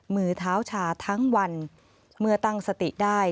มือเท้าชาทั้งวันเมื่อตั้งสติได้